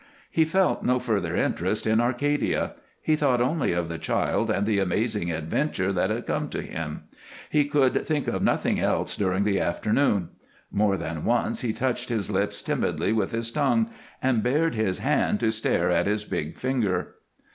He felt no further interest in Arcadia; he thought only of the child and the amazing adventure that had come to him; he could think of nothing else during the afternoon. More than once he touched his lips timidly with his tongue and bared his hand to stare at his big finger.